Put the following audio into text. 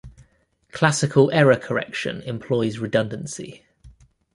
Classical error correction employs redundancy.